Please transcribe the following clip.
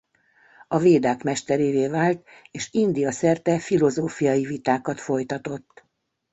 A Védák mesterévé vált és India szerte filozófiai vitákat folytatott.